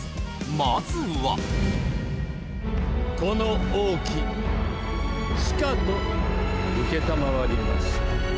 まずはこの王騎しかと承りました